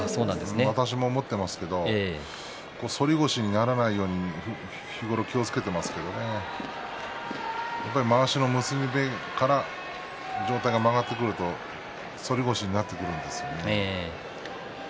私も思っていますけれど反り腰にならないように日頃、気をつけていますけどねまわしの結び目から上体が曲がってくると反り腰になってくるんですね。